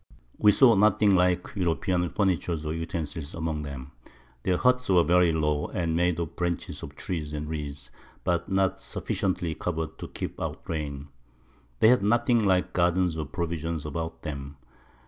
We saw nothing like European Furniture or Utensils among 'em. Their Huts were very low, and made of Branches of Trees and Reeds, but not sufficiently cover'd to keep out Rain. They had nothing like Gardens or Provisions about them.